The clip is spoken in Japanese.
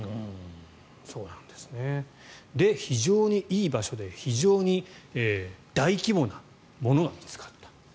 で、非常にいい場所で非常に大規模なものが見つかった。